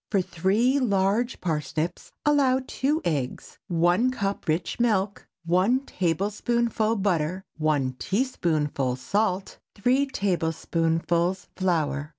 For three large parsnips allow two eggs, one cup rich milk, one tablespoonful butter, one teaspoonful salt, three tablespoonfuls flour.